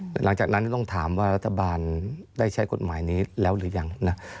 แต่หลังจากนั้นต้องถามว่ารัฐบาลได้ใช้กฎหมายนี้แล้วหรือยังนะ